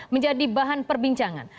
menjadi bahan perbincangan